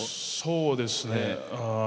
そうですね。